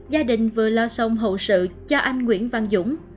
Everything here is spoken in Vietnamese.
gia đình vừa lo xong hậu sự cho anh nguyễn văn dũng